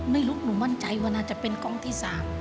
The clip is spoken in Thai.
ไม่รู้หนูมั่นใจว่าน่าจะเป็นกล้องที่๓